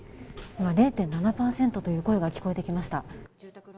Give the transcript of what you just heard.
今、０．７％という声が聞こえてきました。